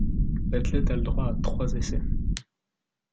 L’athlète a le droit à trois essais.